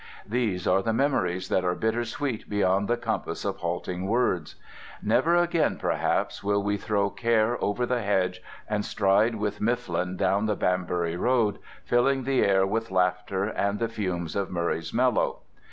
These are the memories that are bittersweet beyond the compass of halting words. Never again perhaps will we throw care over the hedge and stride with Mifflin down the Banbury Road, filling the air with laughter and the fumes of Murray's Mellow.